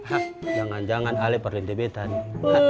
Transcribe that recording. hah jangan jangan alih perlintih beta nih